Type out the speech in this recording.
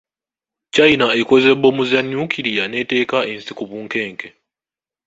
China ekoze bbomu za nukiriya n’eteeka ensi ku bunkenke.